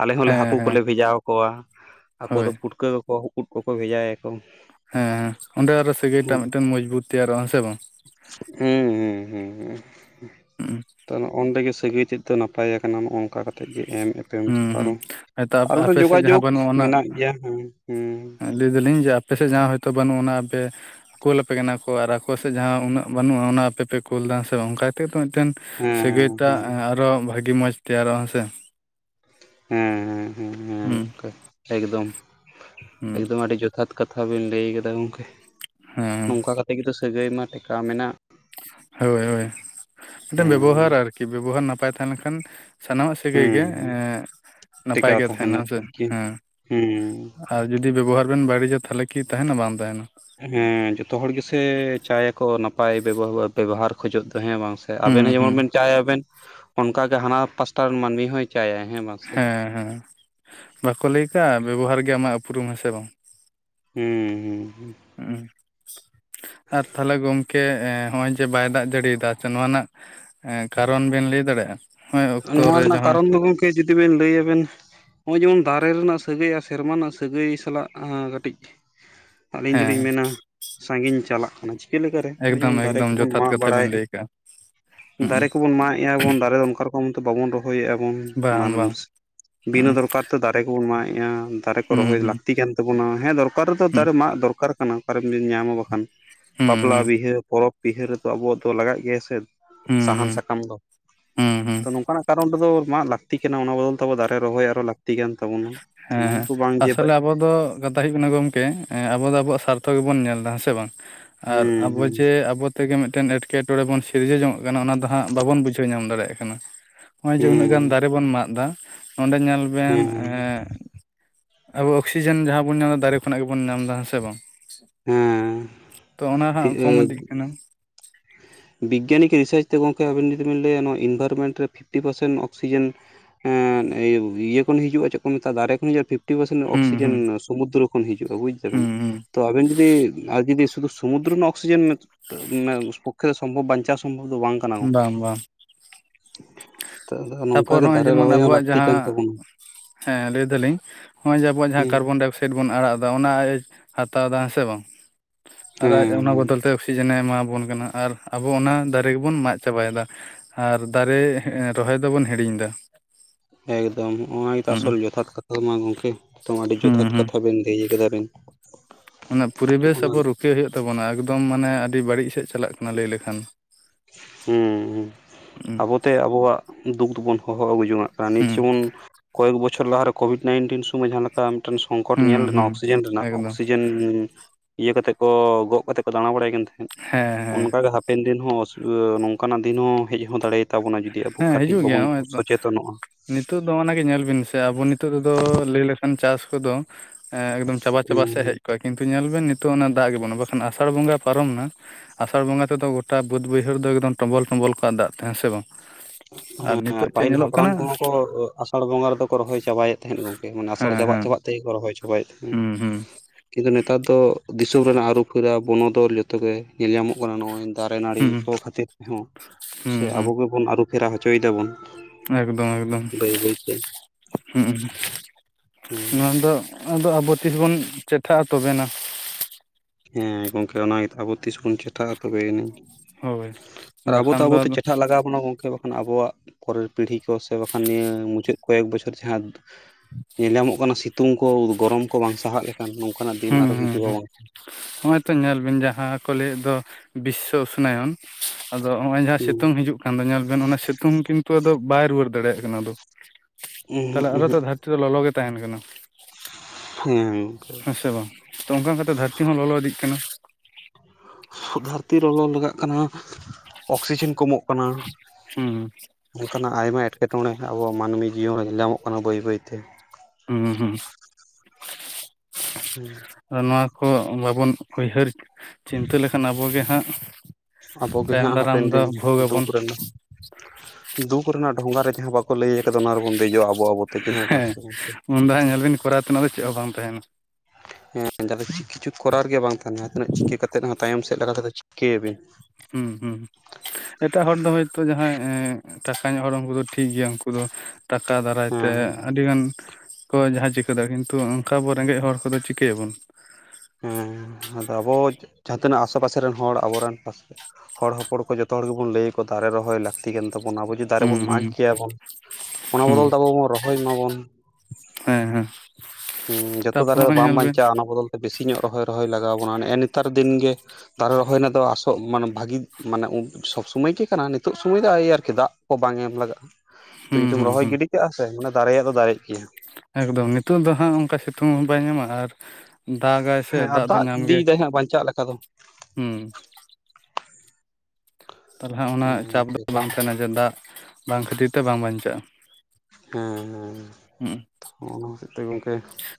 ᱟᱞᱮ ᱦᱚᱸᱞᱮ ᱦᱮᱸ ᱦᱟᱹᱠᱩ ᱦᱮᱸ ᱠᱚᱞᱮ ᱵᱷᱮᱡᱟᱣ ᱠᱚᱣᱟ᱾ ᱟᱠᱚ ᱦᱳᱭ ᱫᱚ ᱯᱩᱴᱠᱟᱹ ᱠᱚᱠᱚ ᱩᱫᱽ ᱠᱚᱠᱚ ᱵᱷᱮᱡᱟᱭᱟᱠᱚ ᱦᱮᱸᱻ ᱚᱸᱰᱮ ᱟᱨᱚ ᱥᱟᱹᱜᱟᱹᱭ ᱴᱟᱜ ᱦᱮᱸ ᱢᱤᱫᱴᱮᱱ ᱢᱚᱡᱽᱵᱩᱛ ᱛᱮᱭᱟᱨᱚᱜᱼᱟ᱾ ᱦᱮᱸᱥᱮ ᱵᱟᱝ ᱦᱮᱸ ᱦᱩᱸ ᱦᱩᱸ ᱦᱩᱸ ᱾ [unintelligible] ᱛᱚ ᱱᱚᱜᱼᱚ ᱱᱚᱸᱰᱮ ᱜᱮ ᱥᱟᱹᱜᱟᱹᱭ ᱪᱮᱫ ᱫᱚ ᱱᱟᱯᱟᱭ ᱟᱠᱟᱱᱟ ᱱᱚᱜᱼᱚᱭ ᱱᱚᱝᱠᱟ ᱠᱟ ᱛᱮ ᱡᱮ ᱮᱢᱼᱮᱯᱮᱢ ᱦᱩᱸ ᱪᱟᱯᱟᱞ ᱦᱩᱸ ᱦᱚᱭᱛᱚ ᱟᱯ ᱟᱨ ᱚᱸᱰᱮ ᱟᱯᱮ ᱥᱮᱫ ᱡᱟᱦᱟᱸ ᱡᱳᱜᱟᱡᱳᱜ ᱵᱟᱹᱱᱩᱜ ᱚᱱᱟ ᱢᱮᱱᱟᱜ ᱜᱮᱭᱟ ᱦᱮᱸ ᱦᱩᱸ ᱞᱟᱹᱭ ᱫᱟᱹᱞᱤᱧ ᱡᱮ ᱟᱯᱮᱥᱮᱫ ᱡᱟᱦᱟᱸ ᱦᱳᱭᱛᱚ ᱵᱟᱹᱱᱩᱜ ᱚᱱᱟ ᱟᱯᱮ ᱠᱩᱞ ᱟᱯᱮ ᱠᱟᱱᱟ ᱠᱚ ᱟᱨ ᱟᱠᱚ ᱥᱮᱫ ᱡᱟᱦᱟᱸ ᱩᱱᱟᱹᱜ ᱵᱟᱹᱱᱩᱜᱼᱟ ᱚᱱᱟ ᱟᱯᱮᱯᱮ ᱠᱩᱞ ᱮᱫᱟ ᱦᱮᱸ ᱥᱮ ᱵᱟᱝ ᱚᱱᱠᱟ ᱛᱮᱜᱮ ᱛᱚ ᱢᱤᱫᱴᱮᱱ ᱦᱮᱸ ᱦᱮᱸ ᱥᱟᱹᱜᱟᱹᱭ ᱴᱟᱜ ᱦᱮᱸ ᱟᱨᱚ ᱵᱷᱟᱹᱜᱤ ᱢᱚᱸᱡᱽ ᱛᱮᱭᱟᱨᱚᱜᱼᱟ ᱦᱮᱸᱥᱮ ᱦᱩᱸ ᱦᱮᱸᱸᱸ ᱮᱠᱫᱚᱢ ᱦᱩᱸ ᱮᱠᱫᱚᱢ ᱟᱹᱰᱤ ᱡᱩᱛ ᱡᱚᱛᱷᱟᱛ ᱠᱟᱛᱷᱟ ᱵᱮᱱ ᱞᱟᱹᱭ ᱟᱠᱟᱫᱟ ᱜᱚᱢᱠᱮ ᱦᱮᱸ ᱱᱚᱝᱠᱟ ᱠᱟᱛᱮ ᱜᱮᱛᱚ ᱥᱟᱹᱜᱟᱹᱭ ᱢᱟ ᱴᱮᱠᱟᱣ ᱢᱮᱱᱟᱜ ᱦᱳᱭ ᱦᱳᱭ ᱢᱤᱫᱴᱮᱱ ᱵᱮᱵᱚᱦᱟᱨ ᱦᱩᱸ ᱟᱨᱠᱤ ᱵᱮᱵᱚᱦᱟᱨ ᱱᱟᱯᱟᱭ ᱛᱟᱦᱮᱸ ᱞᱮᱱ ᱠᱷᱟᱱ ᱥᱟᱱᱟᱢᱟᱜ ᱥᱟᱹᱜᱟᱹᱭ ᱜᱮ ᱮᱸ ᱦᱩᱸ ᱱᱟᱯᱟᱭ ᱴᱮᱠᱟᱣ ᱜᱮ ᱛᱟᱦᱮᱱᱟ ᱦᱮᱸᱥᱮ ᱴᱷᱤᱠ ᱜᱮ ᱦᱮᱸ ᱦᱩᱸ ᱟᱨ ᱡᱩᱫᱤ ᱵᱮᱵᱚᱦᱟᱨ ᱵᱮᱱ ᱵᱟᱹᱲᱤᱡᱟ ᱛᱟᱦᱚᱞᱮ ᱠᱤ ᱛᱟᱦᱮᱱᱟ ᱵᱟᱝ ᱛᱟᱦᱮᱱᱟ ᱾ ᱦᱮᱸ ᱡᱚᱛᱚ ᱦᱚᱲ ᱜᱮᱥᱮ ᱪᱟᱭ ᱟᱠᱚ ᱱᱟᱯᱟᱭ ᱵᱮᱵᱚᱦᱚ ᱵᱮᱵᱚᱦᱟᱨ ᱠᱷᱚᱡᱚᱜ ᱫᱚ ᱦᱮᱸ ᱵᱟᱝ ᱥᱮ ᱦᱩᱸ ᱟᱵᱮᱱ ᱦᱚᱸ ᱦᱩᱸ ᱡᱮᱢᱚᱱ ᱵᱮᱱ ᱪᱟᱭᱟᱵᱮᱱ ᱚᱱᱠᱟ ᱜᱮ ᱦᱟᱱᱟ ᱯᱟᱥᱴᱟ ᱨᱮᱱ ᱢᱟᱹᱱᱢᱤ ᱦᱚᱸᱭ ᱪᱟᱭ ᱦᱮᱸ ᱵᱟᱝ ᱥᱮ ᱦᱮᱸ ᱦᱮᱸ ᱵᱟᱠᱚ ᱞᱟᱹᱭ ᱟᱠᱟᱜᱼᱟ ᱵᱮᱵᱚᱦᱟᱨ ᱜᱮ ᱟᱢᱟᱜ ᱩᱯᱨᱩᱢ ᱦᱮᱸ ᱥᱮ ᱵᱟᱝ ᱦᱩᱸ ᱦᱩᱸ ᱦᱩᱸ ᱦᱩᱸ ᱟᱨ ᱛᱟᱦᱚᱞᱮ ᱜᱚᱝᱠᱮ ᱮᱸ ᱦᱚᱸᱜᱼᱚᱸᱭ ᱡᱮ ᱵᱟᱭ ᱫᱟᱜ ᱡᱟᱹᱲᱤᱭᱮᱫᱟ ᱥᱮ ᱱᱚᱣᱟ ᱨᱮᱱᱟᱜ ᱦᱮᱸ ᱠᱟᱨᱚᱱ ᱵᱮᱱ ᱞᱟᱹᱭ ᱫᱟᱲᱮᱜᱼᱟ? ᱱᱚᱣᱟ ᱨᱮᱱᱟᱜ ᱠᱟᱨᱚᱱ ᱫᱚ ᱜᱚᱢᱠᱮ, ᱡᱩᱫᱤ ᱵᱮᱱ ᱞᱟᱹᱭ ᱟᱵᱮᱱ ᱦᱚᱜᱼᱚᱭ ᱡᱮᱢᱚᱱ, ᱫᱟᱨᱮ ᱨᱮᱱᱟᱜ ᱥᱟᱹᱜᱟᱹᱭ ᱟᱨ, ᱥᱮᱨᱢᱟ ᱨᱮᱱᱟᱜ ᱥᱟᱹᱜᱟᱹᱭ ᱥᱟᱞᱟᱜ ᱠᱟᱹᱴᱤᱡ ᱟᱹᱞᱤᱧ ᱦᱮᱸ ᱫᱚᱞᱤᱧ ᱢᱮᱱᱟ, ᱥᱟᱺᱜᱤᱧ ᱪᱟᱞᱟᱜ ᱠᱟᱱᱟ ᱪᱮ ᱪᱮᱫ ᱞᱮᱠᱟᱨᱮ, ᱱᱚᱜᱚᱭ ᱮᱠᱫᱚᱢ ᱡᱮᱢᱚᱱ ᱫᱟᱨᱮ ᱮᱠᱫᱚᱢ ᱠᱚᱵᱚᱱ ᱡᱚᱛᱷᱟᱛ ᱢᱟᱜ ᱠᱟᱛᱷᱟ ᱵᱮᱱ ᱵᱟᱲᱟᱭᱮᱜᱼᱟ, ᱞᱟᱹᱭ ᱠᱟᱜᱼᱟ ᱦᱩᱸ ᱫᱟᱨᱮ ᱠᱚᱵᱚᱱ ᱢᱟᱜ ᱮᱼᱟ ᱵᱚᱱ ᱫᱟᱨᱮ ᱫᱚ ᱚ ᱵᱟᱵᱚᱱ ᱨᱚᱦᱚᱭᱮᱜᱼᱟ ᱵᱚᱱ, ᱵᱟᱝ ᱵᱟᱝ ᱦᱩᱸ ᱵᱤᱱᱟᱹ ᱫᱚᱨᱠᱟᱨ ᱛᱮ ᱫᱟᱨᱮ ᱠᱚᱵᱚᱱ ᱢᱟᱜᱮᱼᱟ ᱾ ᱫᱟᱨᱮ ᱠᱚ ᱦᱩᱸ ᱨᱚᱦᱚᱭ ᱦᱩᱸ ᱞᱟᱹᱠᱛᱤ ᱠᱟᱱ ᱛᱟᱵᱚᱱᱟ, ᱦᱮᱸ ᱫᱚᱨᱠᱟᱨ ᱨᱮᱫᱚ ᱫᱟᱨᱮ ᱢᱟᱜ ᱫᱚᱨᱠᱟᱨ ᱠᱟᱱᱟ, ᱚᱠᱟᱨᱮ ᱵᱤᱱ ᱧᱟᱢᱟ ᱵᱟᱠᱷᱟᱱ ᱾ ᱵᱟᱯᱞᱟ ᱵᱤᱦᱟᱹ, ᱯᱚᱨᱚᱵᱽ ᱵᱤᱦᱟᱹ, ᱨᱮᱫᱚ ᱟᱵᱚᱣᱟᱜ ᱫᱚ ᱞᱟᱜᱟᱜ ᱜᱮᱭᱟ ᱥᱮ, ᱥᱟᱦᱟᱱ ᱦᱩᱸ ᱥᱟᱠᱟᱢ ᱫᱚ ᱾ ᱦᱩᱸ ᱦᱩᱸ ᱛᱚ ᱱᱚᱝᱠᱟᱱᱟᱜ ᱠᱟᱨᱚᱱ ᱨᱮᱫᱚ, ᱢᱟᱜ ᱞᱟᱹᱠᱛᱤ ᱠᱟᱱᱟ ᱚᱱᱟ ᱵᱚᱫᱚᱞᱛᱮ ᱟᱵᱚ ᱫᱟᱨᱮ ᱨᱚᱦᱚᱭ ᱟᱨᱚ ᱞᱟᱹᱠᱛᱤ ᱠᱟᱱ ᱛᱟᱵᱚᱱᱟ ᱮᱢᱚᱱ ᱦᱮᱸ ᱠᱚ ᱵᱟᱝ ᱡᱮ ᱟᱥᱚᱞᱮ ᱟᱵᱚ ᱫᱚ ᱠᱟᱛᱷᱟ ᱦᱳᱭᱩᱜ ᱠᱟᱱᱟ ᱜᱚᱝᱠᱮ, ᱟᱵᱚ ᱫᱚ ᱟᱵᱚᱣᱟᱜ ᱥᱟᱨᱛᱷᱚ ᱜᱮᱵᱚᱱ ᱧᱮᱞ ᱫᱟ ᱦᱮᱸ ᱥᱮ ᱵᱟᱝ ᱾ ᱟᱨ ᱦᱮᱸ ᱟᱵᱚ ᱦᱮᱸ ᱡᱮ, ᱟᱵᱚ ᱛᱮᱜᱮ ᱢᱤᱫᱴᱮᱱ ᱮᱴᱠᱮᱴᱚᱬᱮ ᱵᱚᱱ ᱥᱤᱨᱡᱟᱹ ᱡᱚᱝᱚᱜ ᱠᱟᱱᱟ, ᱚᱱᱟ ᱫᱚ ᱦᱟᱸᱜ ᱵᱟᱵᱚᱱ ᱵᱩᱡᱷᱟᱹᱣ ᱧᱟᱢ ᱫᱟᱲᱮᱭᱟᱜ ᱠᱟᱱᱟ᱾ ᱱᱚᱜᱼᱚᱭ ᱡᱮ ᱩᱱᱟᱹᱜ ᱦᱮᱸ ᱜᱟᱱ ᱫᱟᱨᱮ ᱵᱚᱱ ᱢᱟᱜ ᱮᱫᱟ ᱱᱚᱸᱰᱮ ᱧᱮᱞ ᱵᱮᱱ ᱦᱮ ᱟᱵᱚ ᱚᱠᱥᱤᱡᱮᱱ ᱡᱟᱦᱟᱸ ᱵᱚᱱ ᱧᱟᱢᱫᱟ, ᱫᱟᱨᱮ ᱠᱷᱚᱱᱟᱜ ᱜᱮ ᱵᱚᱱ ᱧᱟᱢᱫᱟ ᱦᱮᱸᱥᱮ ᱵᱟᱝ? ᱦᱮᱸ, ᱛᱚ ᱚᱱᱟ ᱦᱟᱸᱜ ᱠᱚᱢ ᱦᱮᱸ ᱤᱫᱤᱜ ᱠᱟᱱᱟ ᱾ ᱵᱤᱜᱽᱜᱟᱱᱤᱠ ᱨᱤᱥᱟᱨᱪ ᱛᱮ ᱜᱚᱢᱠᱮ ᱟᱵᱤᱱ ᱡᱩᱫᱤ ᱵᱮᱤᱱ ᱞᱟᱹᱭᱟ, ᱱᱚᱣᱟ ᱤᱱᱵᱷᱟᱨᱢᱮᱱᱴ ᱨᱮ ᱯᱷᱤᱯᱴᱤ ᱯᱟᱨᱥᱮᱱᱴ ᱚᱠᱥᱤᱡᱮᱱ ᱦᱮᱸ ᱤᱭᱟᱹ ᱠᱷᱚᱱ ᱦᱤᱡᱩᱜᱼᱟ, ᱪᱮᱫ ᱠᱚ ᱢᱮᱛᱟᱜᱼᱟ ᱫᱟᱨᱮ ᱠᱷᱚᱱ ᱦᱤᱡᱩᱜᱼᱟ, ᱯᱷᱤᱯ ᱯᱷᱤᱯᱴᱤ ᱯᱟᱨᱥᱮᱱ ᱦᱩᱸ ᱦᱩᱸ ᱚᱠᱥᱤᱡᱮᱱ ᱥᱚᱢᱩᱫᱨᱚ ᱠᱷᱚᱱ ᱦᱤᱡᱩᱜᱼᱟ, ᱵᱩᱡ ᱫᱟᱵᱮᱱ ᱦᱩᱸ ᱾ ᱛᱚ ᱟᱵᱮᱱ ᱡᱩᱫᱤ, ᱟᱨ ᱡᱩᱫᱤ ᱥᱩᱫᱩ ᱥᱚᱢᱩᱫᱨᱚ ᱨᱮᱱᱟᱜ ᱚᱠᱥᱤᱡᱮᱱ ᱯᱚᱴᱷᱮ ᱥᱚᱢᱵᱷᱚᱵ ᱵᱟᱧᱪᱟᱣ ᱥᱚᱢᱵᱷᱚᱵᱚ ᱵᱟᱝ ᱠᱟᱱᱟ ᱜᱚᱝᱠᱮ᱾ ᱵᱟᱝ ᱵᱟᱝ ᱱᱚᱝᱠᱟ ᱛᱟᱯᱚᱨ ᱜᱮ ᱱᱚᱜᱼᱚᱭ ᱫᱟᱨᱮ ᱡᱮᱢᱚᱱ ᱨᱚᱦᱚᱭ ᱦᱚᱸ ᱟᱵᱚᱣᱟᱜ ᱞᱟᱹᱠᱛᱤ ᱡᱟᱦᱟᱸ ᱠᱟᱱ ᱛᱟᱵᱚᱱᱟ ᱦᱮᱸ ᱞᱟᱹᱭ ᱮ ᱫᱟᱞᱤᱧ ᱦᱚᱜᱼᱚᱭ ᱡᱮ, ᱟᱵᱚᱣᱟᱜ ᱡᱟᱦᱟᱸ ᱦᱮᱸ ᱠᱟᱨᱵᱚᱱᱰᱟᱭ ᱚᱠᱥᱟᱭᱤᱰ ᱾ ᱥᱮᱫ ᱵᱚᱱ ᱟᱲᱟᱜ ᱫᱟ, ᱚᱱᱟ ᱟᱡ ᱮ ᱦᱟᱛᱟᱣ ᱮᱫᱟ ᱦᱮᱸ ᱥᱮ ᱵᱟᱝ, ᱟᱨ ᱟᱡ ᱦᱮᱸ ᱚᱱᱟ ᱵᱚᱫᱚᱞ ᱛᱮ ᱚᱠ ᱚᱠᱥᱤᱡᱮᱱ ᱮ ᱮᱢᱟᱵᱚᱱ ᱠᱟᱱᱟ, ᱟᱨ ᱟᱵᱚ ᱚᱱᱟ ᱫᱟᱨᱮ ᱜᱮᱵᱚᱱ ᱢᱟᱜ ᱪᱟᱵᱟᱭᱮᱫᱟ, ᱟᱨ ᱫᱟᱨᱮ ᱨᱚᱦᱚᱭ ᱫᱟᱵᱚᱱ ᱦᱤᱲᱤᱧ ᱫᱟ ᱾ ᱮᱠᱫᱚᱢ ᱦᱚᱜ ᱚᱭ ᱛᱚ ᱟᱥᱚᱞ ᱡᱚᱛᱷᱟᱛ ᱠᱟᱛᱷᱟ ᱫᱚ ᱢᱟ ᱜᱚᱢᱠᱮ ᱾ ᱛᱚ ᱟᱹᱰᱤ ᱦᱩᱸ ᱡᱚᱛᱷᱟᱛ ᱦᱩᱸ ᱠᱟᱛᱷᱟ ᱵᱤᱱ ᱞᱟᱹᱭ ᱠᱟᱫᱟᱵᱤᱱ ᱾ ᱚᱱᱟ ᱯᱚᱨᱤᱵᱮᱥ ᱟᱵᱚ ᱨᱩᱠᱦᱤᱭᱟᱹᱦᱳᱭᱩᱜ ᱛᱟᱵᱚᱱᱟ, ᱮᱠᱫᱚᱢ ᱢᱟᱱᱮ ᱟᱹᱰᱤ ᱵᱟᱹᱲᱤᱡ ᱥᱮᱫ ᱪᱟᱞᱟᱜ ᱠᱟᱱᱟ ᱞᱟᱹᱭ ᱞᱮᱠᱷᱟᱱ ᱾ ᱦᱢ ᱦᱩᱸ ᱟᱵᱚᱛᱮ ᱟᱵᱚᱣᱟᱜ ᱫᱩᱠ ᱫᱚᱵᱚᱱ ᱦᱚᱦᱚ ᱟᱹᱜᱩ ᱡᱚᱝᱟᱜ ᱠᱟᱱ ᱱᱤᱛ ᱦᱩᱸ ᱡᱮᱢᱚᱱ ᱠᱚᱭᱮᱠ ᱵᱚᱪᱷᱚᱨ ᱞᱟᱦᱟᱨᱮ, ᱠᱳᱵᱷᱤᱰ ᱱᱟᱭᱤᱱᱴᱤᱱ ᱥᱳᱢᱚᱭ ᱡᱟᱦᱟᱸ ᱞᱮᱠᱟ, ᱚᱱᱠᱟ ᱢᱤᱫᱴᱮᱱ ᱥᱚᱝᱠᱚᱴ ᱧᱮᱞ ᱦᱩᱸ ᱞᱮᱱᱟ ᱦᱩᱸ ᱚᱠᱥᱤᱡᱮᱱ ᱨᱮᱱᱟᱜ, ᱮᱠᱫᱚᱢ ᱚᱠᱤᱡᱮᱱ ᱡᱮᱱ ᱤᱭᱟᱹ ᱠᱟᱛᱮ ᱠᱚ ᱜᱚᱜ ᱠᱟᱛᱮ ᱠᱚ ᱫᱟᱬᱟ ᱵᱟᱲᱟᱭ ᱠᱟᱱ ᱛᱟᱦᱮᱸᱫ, ᱦᱮᱸ ᱦᱮᱸ ᱚᱱᱠᱟ ᱜᱮ ᱦᱟ ᱦᱟᱯᱮᱱ ᱫᱤᱱ ᱦᱚᱸ ᱚᱥᱩᱵ ᱱᱚᱝᱠᱟᱱᱟᱜ ᱫᱤᱱ ᱦᱚᱸ ᱦᱮᱡ ᱦᱚᱸ ᱫᱟᱲᱮᱭᱟᱜ ᱛᱟᱵᱚᱱᱟ, ᱡᱩᱫᱤ ᱟᱵᱚ ᱦᱮᱸ ᱠᱟᱹᱴᱤᱡ ᱦᱤᱡᱩᱜ ᱜᱮᱭᱟ ᱵᱟᱵᱚᱱ ᱱᱚᱜᱼᱚᱭ ᱛᱚ ᱥᱚᱪᱮᱛᱚᱱᱚᱜᱼᱟ᱾ ᱱᱤᱛᱚᱜ ᱫᱚ ᱚᱱᱟᱜᱮ ᱧᱮᱞ ᱵᱤᱱ ᱥᱮ, ᱟᱵᱚ ᱱᱤᱛᱚᱜ ᱫᱚ ᱞᱟᱹᱭ ᱞᱮᱠᱷᱟᱱ ᱪᱟᱥ ᱠᱚᱫᱚ, ᱮᱠᱫᱚᱢ ᱪᱟᱵᱟ ᱪᱟᱵᱟ ᱥᱮᱫ ᱦᱮᱡ ᱠᱚᱜᱼᱟ, ᱠᱤᱱᱛᱩ ᱧᱮᱞ ᱵᱮᱱ ᱱᱤᱛᱚᱜ ᱚᱱᱟ ᱫᱟᱜ ᱜᱮ ᱵᱚᱱᱩᱜ ᱵᱟᱠᱷᱟᱱ ᱟᱥᱟᱲ ᱵᱚᱸᱜᱟ ᱯᱟᱨᱚᱢᱱᱟ, ᱟᱥᱟᱲ ᱵᱚᱸᱜᱟ ᱛᱮᱫᱚ ᱜᱚᱴᱟ ᱵᱟᱹᱫᱽ ᱵᱟᱹᱭᱦᱟᱹᱲ ᱫᱚ, ᱮᱠᱫᱚᱢ ᱴᱚᱢᱵᱚᱞ ᱴᱚᱢᱵᱚᱞ ᱠᱚᱣᱟᱜ ᱫᱟᱜ ᱛᱮ ᱦᱮᱸ ᱥᱮ ᱵᱟᱝ? ᱟᱨ ᱦᱮᱸ ᱱᱤᱛᱚᱜ ᱪᱮᱫ ᱯᱟᱹᱦᱤᱞ ᱧᱮᱞᱚᱜ ᱦᱟᱯᱲᱟᱢ ᱠᱟᱱᱟ ᱠᱚᱦᱚᱸ ᱠᱚ, ᱟᱥᱟᱲ ᱵᱚᱸᱜᱟ ᱨᱮᱫᱚ ᱠᱚ ᱨᱚᱦᱚᱭ ᱪᱟᱵᱟᱭᱮᱫ ᱛᱟᱦᱮᱸᱫ ᱜᱚᱝᱠᱮ, ᱢᱟᱱᱮ ᱟᱥᱟᱲ ᱦᱮᱸ ᱪᱟᱵᱟᱜ ᱦᱮᱸ ᱪᱟᱵᱟᱜ᱾ ᱡᱚᱛᱚ ᱜᱮ ᱠᱚ ᱨᱚᱦᱚᱭ ᱪᱟᱵᱟ ᱮᱫ ᱛᱟᱦᱮᱱᱟ᱾ ᱦᱩᱸ ᱦᱩᱸ ᱠᱤᱱᱛᱩ ᱱᱮᱛᱟᱨ ᱫᱚ, ᱫᱤᱥᱚᱢ ᱨᱮᱱᱟᱜ ᱟᱹᱨᱩ ᱯᱷᱮᱨᱟ ᱵᱚᱱᱚᱫᱚᱞ ᱡᱚᱛᱚ ᱜᱮ ᱧᱮᱞ ᱧᱟᱢᱚᱜ ᱠᱟᱱᱟ᱾ ᱱᱚᱜᱚᱭ ᱫᱟᱨᱮ ᱱᱟᱹᱲᱤ ᱦᱩᱸ ᱠᱚ ᱠᱷᱟᱹᱛᱤᱨ ᱛᱮᱦᱚᱸ, ᱦᱩᱸ ᱥᱮ ᱦᱩᱸ ᱟᱵᱚ ᱜᱮᱵᱚᱱ ᱟᱹᱨᱩ ᱯᱷᱮᱨᱟᱣ ᱦᱚᱪᱚᱭ ᱫᱟ ᱵᱚᱱ᱾ ᱮᱠᱫᱚᱢ ᱮᱠᱫᱚᱢ ᱦᱩ, ᱦᱮᱸ ᱱᱚᱣᱟ ᱫᱚ ᱟᱫᱚ ᱟᱵᱚ ᱛᱤᱥ ᱵᱚᱱ ᱪᱮᱴᱷᱟᱜᱼᱟ ᱛᱚᱵᱮᱱᱟ᱾ ᱦᱮᱸ ᱜᱚᱢᱠᱮ ᱚᱱᱟᱜᱮᱛᱚ ᱟᱵᱚ ᱛᱤᱥ ᱵᱚᱱ ᱪᱮᱴᱷᱟᱜᱼᱟ ᱛᱚᱵᱮ ᱟᱹᱱᱤᱹᱧ᱾ ᱦᱳᱭ ᱟᱨ ᱟᱵᱚ ᱫᱚ ᱵᱟᱠᱷᱟᱱ ᱟᱵᱚ ᱛᱮ ᱟᱫᱚ ᱪᱮᱴᱟᱜ ᱞᱟᱜᱟᱣ ᱵᱚᱱᱟ ᱜᱚᱝᱠᱮ᱾ ᱦᱮᱸ ᱵᱟᱠᱷᱟᱱ ᱟᱵᱚᱣᱟᱜ ᱯᱚᱨᱮᱨ ᱯᱤᱲᱦᱤ ᱠᱚ ᱥᱮ ᱵᱟᱠᱷᱟᱱ ᱱᱤᱭᱟᱹ ᱢᱩᱪᱟᱹᱫ ᱠᱚᱭᱮᱠ ᱵᱚᱪᱷᱚᱨ ᱡᱟᱦᱟᱸ ᱧᱮᱞ ᱧᱟᱢᱚᱜ ᱠᱟᱱᱟ ᱥᱤᱛᱩᱝ ᱠᱚ, ᱜᱚᱨᱚᱢ ᱠᱚ ᱵᱟᱝ ᱥᱟᱦᱟᱜ ᱞᱮ᱾ ᱦᱩᱸ ᱦᱩᱸ ᱦᱩᱸ᱾ ᱦᱚᱸᱜ-ᱚᱭ ᱛᱚ ᱧᱮᱞ ᱵᱤᱱ ᱡᱟᱦᱟᱸ ᱠᱚ ᱞᱟᱹᱭᱮᱫ ᱫᱚ ᱵᱤᱥᱥᱚ ᱩᱥᱱᱟᱭᱚᱱ᱾ ᱟᱫᱚ ᱦᱸᱚᱜᱼᱚᱭ ᱡᱟᱦᱟᱸ ᱥᱤᱛᱩᱝ ᱦᱤᱡᱩᱜ ᱠᱟᱱ ᱫᱚ, ᱧᱮᱞ ᱵᱮᱱ ᱚᱱᱟ ᱥᱤᱛᱩᱝ ᱠᱤᱱᱛᱩ ᱟᱫᱚ ᱵᱟᱭ ᱨᱩᱣᱟᱹᱲ ᱫᱟᱲᱮᱭᱟᱜ ᱠᱟᱱᱟ ᱟᱫᱚ᱾ ᱛᱟᱦᱞᱮ ᱩᱸᱦᱩᱜ ᱟᱨᱚ ᱛᱚ ᱩᱸᱦᱩᱜ ᱫᱷᱟᱹᱨᱛᱤ ᱫᱚ ᱞᱚᱞᱚ ᱜᱮ ᱛᱟᱦᱮᱱ ᱠᱟᱱᱟ᱾ ᱦᱮᱸ᱾ ᱦᱮᱸᱥᱮ ᱵᱟᱝᱚ ᱛᱚ ᱚᱱᱠᱟ ᱠᱟᱛᱮ ᱫᱷᱟᱹᱨᱛᱤ ᱦᱚᱸ ᱞᱚᱞᱚ ᱤᱫᱤᱜ ᱠᱟᱱᱟ᱾ ᱫᱷᱟᱹᱨᱛᱤ ᱞᱚᱞᱚ ᱞᱟᱜᱟᱜ ᱠᱟᱱᱟ᱾ ᱚᱠᱥᱤᱡᱮᱱ ᱠᱚᱢᱚᱜ ᱠᱟᱱᱟ᱾ ᱦᱩᱸ ᱚᱱᱠᱟᱱᱟᱜ ᱟᱭᱢᱟ ᱮᱴᱠᱮᱴᱚᱬᱮᱸ ᱟᱵᱚᱣᱟᱜ ᱢᱟᱹᱱᱢᱤ ᱡᱤᱭᱚᱱ ᱨᱮ ᱧᱮᱞ ᱧᱟᱢᱚᱜ ᱠᱟᱱᱟ ᱵᱟᱹᱭ ᱵᱟᱹᱭᱛᱮ᱾ ᱦᱩᱸ ᱦᱩᱸ᱾ ᱦᱩᱸ᱾ ᱟᱫᱚ ᱱᱚᱣᱟ ᱠᱚ ᱵᱟᱵᱚᱱ ᱩᱭᱦᱟᱹᱨ ᱪᱤᱱᱛᱟᱹ ᱞᱮᱠᱷᱟᱱ ᱟᱵᱚ ᱜᱮ ᱦᱟᱸᱜ ᱟᱵᱚᱜᱮ ᱛᱟᱭᱚᱢ ᱦᱟᱸᱜ ᱫᱟᱨᱟᱢ ᱦᱟᱯᱮᱱ ᱫᱚ ᱫᱤᱱ ᱵᱷᱳᱜᱽ ᱫᱩᱠ ᱟᱵᱚᱱ ᱨᱮᱱᱟᱜ ᱫᱩᱠ ᱨᱮᱱᱟᱜ ᱰᱷᱚᱸᱜᱟ ᱨᱮ ᱡᱟᱦᱟᱸ ᱵᱟᱠᱚ ᱞᱟᱹᱭ ᱟᱠᱟᱫᱟ ᱚᱱᱟ ᱨᱮᱵᱚᱱ ᱫᱮᱡᱚᱜᱼᱟ ᱟᱵᱚ᱾ ᱟᱵᱚ ᱟᱵᱚ ᱛᱮᱜᱮ ᱦᱮᱸ ᱵᱟᱝᱥᱮ ᱜᱚᱝᱠᱮ᱾ ᱩᱱᱫᱚ ᱦᱟᱸᱜ ᱧᱮᱞ ᱵᱤᱱ ᱠᱚᱨᱟᱣ ᱛᱮᱱᱟᱜ ᱫᱚ ᱪᱮᱫ ᱦᱚᱸ ᱵᱟᱝ ᱛᱟᱦᱮᱸᱱᱟ᱾ ᱦᱮᱸ [unintelligible] ᱠᱤᱪᱷᱩ ᱠᱚᱨᱟᱣ ᱨᱮᱜᱮ ᱵᱟᱝ ᱛᱟᱦᱮᱱᱟ, ᱡᱟᱦᱟᱸ ᱛᱤᱱᱟᱹᱜ ᱪᱤᱠᱟᱹ ᱠᱟᱛᱮᱫ ᱦᱚᱸ ᱛᱟᱭᱚᱢ ᱥᱮᱫ ᱞᱮᱠᱟ ᱛᱮᱫᱚ ᱪᱤᱠᱟᱹᱭᱟᱵᱤᱱ᱾ ᱦᱩᱸ ᱦᱩᱸ᱾ ᱮᱴᱟᱜ ᱦᱚᱲ ᱫᱚ ᱦᱚᱳᱭᱛᱳ ᱡᱟᱦᱟᱸᱭ ᱮᱸ ᱴᱟᱠᱟ ᱧᱚᱜ ᱦᱚᱲ ᱩᱱᱠᱩ ᱫᱚ ᱴᱷᱤᱠ ᱜᱮᱭᱟ᱾ᱩᱱᱠᱩ ᱫᱚ ᱴᱟᱠᱟ ᱫᱟᱨᱟᱭᱛᱮ ᱦᱮᱸ ᱟᱹᱰᱤ ᱜᱟᱱ ᱠᱚ ᱡᱟᱦᱟᱸ ᱪᱤᱠᱟᱹᱟ ᱫᱟ, ᱠᱤᱱᱛᱩ ᱚᱱᱠᱟ ᱟᱵᱚ ᱨᱮᱸᱜᱮᱡ ᱦᱚᱲ ᱠᱚᱫᱚ ᱪᱤᱠᱟᱹ ᱭᱟᱵᱚᱱ? ᱦᱮᱸ ᱟᱫᱚ ᱟᱵᱚ ᱡᱟᱦᱟᱸ ᱛᱤᱱᱟᱹᱜ ᱟᱥᱮ ᱯᱟᱥᱮ ᱨᱮᱱ ᱦᱚᱲ ᱟᱵᱚᱨᱮᱱ ᱯᱟᱥᱮ ᱦᱚᱲ ᱦᱚᱯᱚᱱ ᱠᱚ ᱡᱚᱛᱚ ᱦᱚᱲ ᱜᱮᱵᱚᱱ ᱞᱟᱹᱭ ᱟᱠᱚᱣᱟ ᱫᱟᱨᱮ ᱨᱚᱦᱚᱭ ᱞᱟᱠ ᱠᱛᱤ ᱠᱟᱱ ᱛᱟᱵᱚᱱᱟ, ᱟᱵᱚ ᱡᱩ ᱫᱟᱨᱮ ᱦᱩᱸ ᱵᱚᱱ ᱢᱟᱜᱽ ᱦᱩᱸ ᱜᱮᱭᱟᱵᱚᱱ ᱚᱱᱟ ᱦᱩᱸ ᱵᱚᱫᱚᱞ ᱛᱮ ᱟᱵᱚ ᱵᱚᱱ ᱨᱚᱦᱚᱭ ᱢᱟᱵᱚᱱ᱾ ᱦᱮᱸ ᱦᱮᱸ᱾ ᱦᱩ᱾ᱸ ᱡᱚᱛᱚ ᱛᱟᱯᱚᱨ ᱫᱟᱨᱮ ᱫᱚ ᱱᱚᱜᱼᱚᱭ ᱵᱟᱢ ᱧᱮᱞ ᱵᱤᱱ ᱵᱟᱧᱪᱟᱜᱼᱟ, ᱚᱱᱟ ᱵᱚᱫᱚᱞ ᱛᱮ ᱵᱮᱥᱤ ᱧᱚᱜ ᱨᱚᱦᱚᱭ ᱨᱚᱦᱚᱭ ᱞᱟᱜᱟᱣ ᱵᱚᱱᱟ᱾ ᱱᱮᱜᱼᱮ ᱱᱮᱛᱟᱨ ᱫᱤᱱᱜᱮ ᱫᱟᱨᱮ ᱨᱚᱦᱚᱭ ᱨᱮᱱᱟᱜ ᱫᱚ ᱟᱥᱚᱜ ᱢᱟᱱᱮ ᱵᱷᱟᱜᱤ ᱢᱟᱱᱮ ᱩᱸᱵᱩᱡ ᱥᱚᱵᱽ ᱥᱚᱢᱚᱭ ᱜᱮ ᱠᱟᱱᱟ ᱱᱤᱛᱚᱜ ᱥᱚᱢᱚᱭ ᱫᱚ ᱟᱹᱭ ᱟᱨᱠᱤ ᱫᱟᱜ ᱠᱚ ᱵᱟᱝ ᱮᱢ ᱞᱟᱜᱟᱜᱼᱟ᱾ ᱛᱚ ᱦᱩᱸ ᱡᱩᱫᱤᱢ ᱦᱩᱸ ᱨᱚᱦᱚᱭ ᱦᱩᱸ ᱜᱤᱰᱤ ᱠᱟᱜᱼᱟ ᱥᱮ ᱢᱟᱱᱮ ᱫᱟᱨᱮᱭᱟᱜ ᱫᱚ ᱫᱟᱨᱮᱜ ᱜᱮᱭᱟ᱾ ᱮᱠᱫᱚᱢ ᱱᱤᱛᱚᱜ ᱫᱚ ᱦᱟᱸᱜ ᱚᱱᱠᱟ ᱥᱤᱛᱩᱝ ᱦᱚᱸ ᱵᱟᱭ ᱧᱟᱢᱟ, ᱟᱨ ᱫᱟᱜᱟᱭ ᱥᱮ ᱦᱮᱸ ᱟᱨ ᱫᱟᱜ ᱫᱚ ᱧᱟᱢ ᱜᱮᱭᱟᱭ᱾ ᱤᱫᱤᱭᱮᱫᱟᱭ ᱦᱟᱸᱜ ᱵᱟᱧᱪᱟᱜ ᱞᱮᱠᱟ ᱫᱚ ᱦᱩᱸ᱾ ᱛᱟᱦᱚᱞᱮ ᱚᱱᱟ ᱦᱮᱸ ᱪᱟᱯ ᱜᱚᱝᱠᱮ ᱫᱚ ᱵᱟᱝ ᱛᱟᱦᱚᱞᱮ ᱛᱟᱦᱮᱱᱟ ᱡᱮ ᱫᱟᱜ ᱵᱟᱝ ᱠᱷᱟᱹᱛᱤᱨ ᱛᱮ ᱵᱟᱝ ᱵᱟᱧᱪᱟᱜᱼᱟ᱾ ᱦᱮᱸ ᱦᱩᱸ ᱦᱮᱸ ᱚᱱᱟ ᱦᱚᱛᱮᱫ ᱛᱮ ᱜᱚᱢᱠᱮ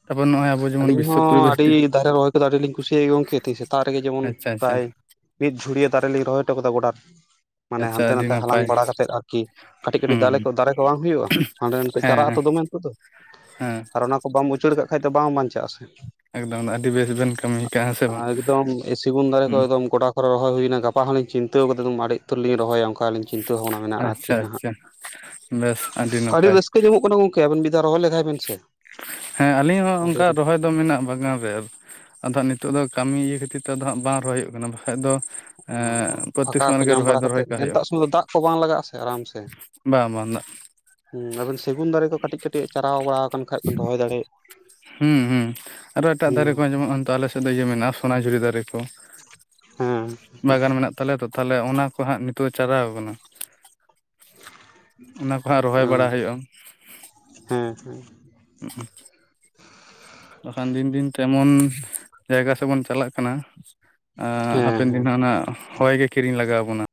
ᱛᱟᱯᱚᱨ ᱱᱚᱜᱼᱚᱭ ᱟᱵᱚ ᱡᱮᱢᱚᱱ ᱟᱹᱞᱤᱧ ᱵᱤᱥᱥᱚ ᱦᱚᱸ ᱯᱚᱨᱤᱵᱮᱥ ᱟᱹᱰᱤ ᱫᱟᱨᱮ ᱨᱚᱦᱚᱭ ᱠᱚᱫᱚ ᱟᱹᱰᱤ ᱞᱤᱧ ᱠᱩᱥᱤᱭᱟᱜ ᱜᱮᱭᱟ ᱜᱚᱝᱠᱮ ᱛᱤᱦᱤᱧ ᱥᱮᱛᱟᱜ ᱨᱮᱜᱮ ᱡᱮᱢᱚᱱ ᱟᱪᱪᱷᱟ ᱟᱪᱪᱷᱟ᱾ ᱯᱨᱟᱭ ᱢᱤᱫ ᱡᱷᱩᱲᱤᱭᱟᱹ ᱫᱟᱨᱮ ᱞᱤᱧ ᱨᱚᱦᱚᱭ ᱦᱚᱴᱚ ᱠᱟᱫᱟ ᱜᱚᱰᱟ ᱨᱮ᱾ ᱢᱟᱱᱮ ᱟᱪᱪᱷᱟ ᱦᱟᱱᱛᱮ ᱟᱹᱰᱤ ᱱᱟᱛᱮ ᱦᱟᱞᱟᱝ ᱱᱟᱯᱟᱭ ᱵᱟᱲᱟ ᱠᱟᱛᱮᱫ ᱟᱨᱠᱤ ᱠᱟᱹᱴᱤᱡ ᱠᱟᱹᱴᱤᱡ ᱦᱩᱸ ᱫᱟᱞᱮ ᱠᱚ ᱫᱟᱨᱮ ᱠᱚ ᱵᱟᱝ ᱦᱩᱭᱩᱜᱼᱟ᱾ ᱦᱟᱸᱰᱮ ᱱᱟᱸᱵᱮᱛᱮ ᱦᱮᱸ ᱪᱟᱨᱟᱜ ᱦᱮᱸ ᱟᱛᱚ ᱫᱚᱢᱮ ᱱᱤᱛᱚᱜ ᱫᱚ, ᱦᱮᱸ ᱟᱨ ᱚᱱᱟ ᱠᱚ ᱵᱟᱢ ᱩᱪᱟᱹᱲ ᱠᱟᱜ ᱠᱷᱟᱡ ᱫᱚ ᱵᱟᱝ ᱵᱟᱧᱪᱟᱜᱼᱟ ᱥᱮ᱾ ᱮᱠᱫᱚᱢ ᱟᱹᱰᱤ ᱵᱮᱥ ᱵᱮᱱ ᱠᱟᱹᱢᱤ ᱠᱟᱜᱼᱟ ᱦᱮᱸ ᱥᱮ ᱵᱟᱝ ᱟ ᱮᱠᱫᱚᱢ ᱮ ᱥᱤᱜᱩᱱ ᱫᱟᱨᱮ ᱦᱩᱸ ᱠᱚ ᱮᱠᱫᱚᱢ ᱜᱚᱰᱟ ᱠᱚᱨᱮ ᱨᱚᱦᱚᱭ ᱦᱩᱭᱱᱟ, ᱜᱟᱯᱟ ᱠᱷᱚᱱ ᱞᱤᱧ ᱪᱤᱱᱛᱟᱹᱣ ᱠᱟᱫᱟ ᱫᱚᱢ ᱟᱹᱰᱤ ᱩᱛᱟᱹᱨ ᱞᱤᱧ ᱨᱚᱦᱚᱭᱟ ᱚᱱᱠᱟ᱾ ᱠᱟᱞᱤᱧ ᱪᱤᱱᱛᱟᱹ ᱵᱷᱟᱵᱱᱟ ᱢᱮᱱᱟᱜ ᱟᱨᱠᱤ ᱟᱪᱪᱷᱟ ᱦᱟᱦᱟᱸᱜ᱾ ᱟᱪᱪᱷᱟ ᱵᱮᱥ ᱟᱹᱰᱤ ᱱᱟᱯᱟᱭ ᱠᱟᱹᱡ ᱧᱟᱢᱚᱜ ᱠᱟᱱᱟ ᱜᱚᱝᱠᱮ᱾ ᱟᱵᱤᱱ ᱢᱤᱫ ᱫᱷᱟᱣ ᱨᱚᱦᱚᱭ ᱞᱮᱜᱟᱭ ᱵᱮᱱ ᱥᱮ᱾ ᱦᱮᱸ ᱟᱞᱤᱧ ᱦᱚᱸ ᱟᱹᱰᱤ ᱚᱱᱠᱟ ᱨᱚᱦᱚᱭ ᱫᱚ ᱢᱮᱱᱟᱜ ᱵᱟᱜᱟᱱ ᱨᱮ ᱟᱨ ᱟᱫᱚ ᱦᱟᱸᱜ ᱱᱤᱛᱳᱜ ᱫᱚ ᱠᱟᱹᱢᱤ ᱤᱭᱟᱹ ᱠᱷᱟᱹᱛᱤᱨ ᱛᱮ ᱟᱫᱚ ᱦᱟᱸᱜ ᱵᱟᱝ ᱨᱚᱦᱚᱭ ᱦᱩᱭᱩᱜ ᱠᱟᱱᱟ ᱵᱟᱠᱟᱡ ᱫᱚ ᱚ ᱚ ᱮᱸ ᱯᱨᱚᱛᱮᱠ ᱯᱷᱟᱠᱟ ᱥᱮᱨᱢᱟ ᱠᱚ ᱞᱮᱠᱟ ᱧᱟᱢ ᱨᱚᱦᱚᱭ ᱵᱟᱲᱟ ᱫᱚ ᱨᱚᱦᱚᱭ ᱠᱟᱛᱮᱫ ᱠᱟᱜ ᱦᱩᱭᱩᱜᱼᱟ ᱱᱮᱱᱛᱟᱜ ᱥᱚᱢᱚᱭ ᱫᱚ ᱫᱟᱜ ᱠᱚ ᱵᱟᱝ ᱞᱟᱜᱟᱜ-ᱟ ᱥᱮ ᱟᱨᱟᱢ ᱥᱮ, ᱵᱟ ᱵᱟᱝ ᱫᱟᱜ ᱦᱩᱸ ᱟᱵᱮᱱ ᱥᱮᱜᱩᱱ ᱫᱟᱨᱮ ᱠᱚ ᱠᱟᱹᱴᱤᱡ ᱠᱟᱹᱴᱤᱡ ᱪᱟᱨᱟᱣ ᱵᱟᱲᱟᱣ ᱠᱟᱱ ᱠᱷᱟᱡ ᱵᱮᱱ ᱨᱚᱦᱚᱭ ᱫᱟᱲᱮᱜ ᱦᱩᱸ ᱦᱩᱸ ᱟᱨᱚ ᱮᱴᱟᱜ ᱫᱟᱨᱮ ᱠᱚ ᱦᱚᱸ ᱡᱮᱢᱚᱱ ᱱᱚᱜ-ᱚᱭ ᱱᱤᱛᱳᱜ ᱟᱞᱮ ᱥᱮᱫ ᱫᱚ ᱤᱭᱟᱹ ᱢᱮᱱᱟᱜ-ᱟ ᱥᱚᱱᱟᱡᱷᱩᱨᱤ ᱫᱟᱨᱮ ᱠᱚ, ᱦᱮᱸ ᱵᱟᱜᱟᱱ ᱢᱮᱱᱟᱜ ᱛᱟᱞᱮᱭᱟ ᱛᱚ ᱛᱷᱟᱞᱮ ᱚᱱᱟ ᱠᱚ ᱦᱟᱸᱜ ᱱᱤᱛᱳᱜ ᱪᱟᱨᱟᱣ ᱠᱟᱱᱟ᱾ ᱟᱹᱣ ᱵᱟᱲᱟ ᱦᱩᱭᱩᱜᱼᱟ ᱦᱮᱸ ᱦᱮᱸ ᱩᱸᱜ ᱩ ᱵᱟᱠᱷᱟᱱ ᱫᱤᱱ ᱫᱤᱱ ᱛᱮ ᱮᱢᱚᱱ ᱡᱟᱭᱜᱟ ᱥᱮ ᱵᱚᱱ ᱪᱟᱞᱟᱜ ᱠᱟᱱᱟ ᱟᱜ ᱦᱮᱸ ᱦᱟᱯᱮᱱ ᱫᱤᱱ ᱦᱟᱸᱜ ᱚᱱᱟ ᱦᱚᱭ ᱜᱮ ᱠᱤᱨᱤᱧ ᱞᱟᱜᱟᱣ ᱵᱚᱱᱟ᱾